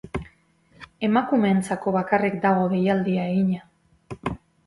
Emakumeentzako bakarrik dago deialdia egina.